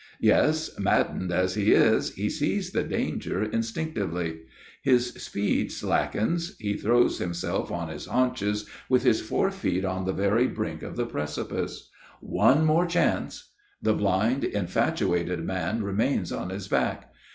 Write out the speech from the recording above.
Yes, maddened as he is, he sees the danger instinctively. His speed slackens he throws himself on his haunches, with his fore feet on the very brink of the precipice. One more chance! The blind, infatuated man remains on his back.